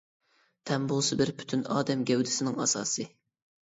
تەن بولسا بىر پۈتۈن ئادەم گەۋدىسىنىڭ ئاساسى.